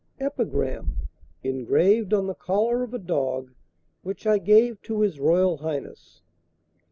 EPIGRAM, ENGRAVED ON THE COLLAR OF A DOG WHICH I GAVE TO HIS ROYAL HIGHNESS.